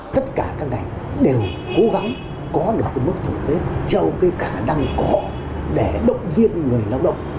tất cả các ngành đều cố gắng có được mức thưởng tết cho khả năng có để động viên người lao động